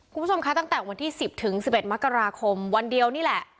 คุณผู้ชมคะตั้งแต่วันที่๑๐ถึง๑๑มกราคมวันเดียวนี่แหละ